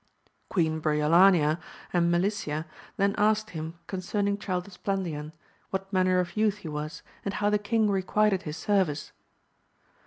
Queen Biiolania and Melicia then asked him con^ cerning Child Esplandian, what manner of youth ho was, and how the king requited his service.